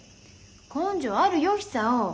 根性あるよ久男。